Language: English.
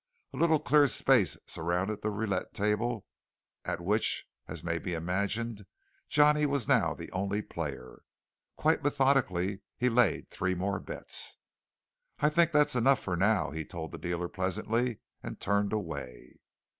A little clear space surrounded the roulette table, at which, as may be imagined, Johnny was now the only player. Quite methodically he laid three more bets. "I think that's enough for now," he told the dealer pleasantly, and turned away.